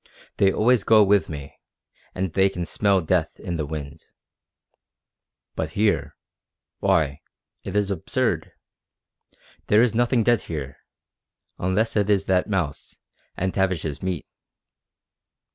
They always go with me, and they can smell death in the wind. But here why, it is absurd! There is nothing dead here unless it is that mouse, and Tavish's meat!"